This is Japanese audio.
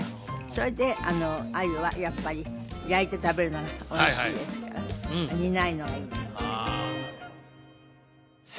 それであのアユはやっぱり焼いて食べるのがおいしいですから煮ないのがいいです